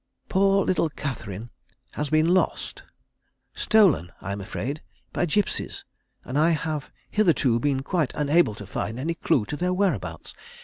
Poor little Catherine has been lost stolen, I am afraid, by gipsies and I have hitherto been quite unable to find any clue to their whereabouts.